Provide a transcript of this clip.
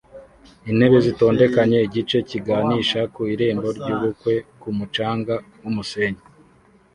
Intebe zitondekanye igice kiganisha ku irembo ryubukwe ku mucanga wumusenyi